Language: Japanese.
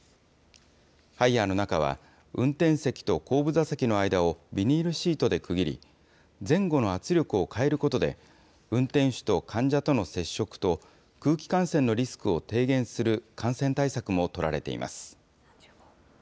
ハイヤーの中は、運転席と後部座席の間をビニールシートで区切り、前後の圧力を変えることで、運転手と患者との接触と、空気感染のリスクを低減する感染対策も取られています。